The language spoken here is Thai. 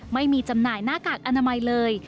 จำหน่ายหน้ากากอนามัยเลย